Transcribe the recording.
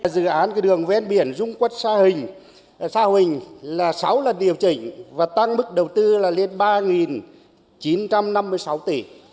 dự án đường ven biển rung quất xa hình là sáu lần điều chỉnh và tăng mức đầu tư là lên ba chín trăm năm mươi sáu tỷ